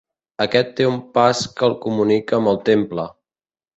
Aquest té un pas que el comunica amb el temple.